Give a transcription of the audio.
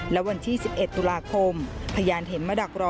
และวันที่๑๑ตุลาคมพยานเห็นมาดักรอ